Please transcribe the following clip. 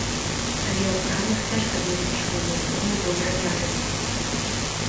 Але ў крамах цяжка знайсці школьную форму добрай якасці.